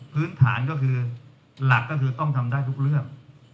พื้นฐานก็คือหลักก็คือต้องทำได้ทุกเรื่อง